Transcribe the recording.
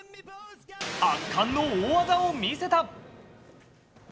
圧巻の大技を見せた。